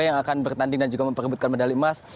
yang akan bertanding dan juga memperbutkan medali emas